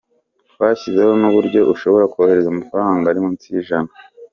Twashyizeho n’uburyo ushobora kohereza amafaranga ari munsi y’ijana.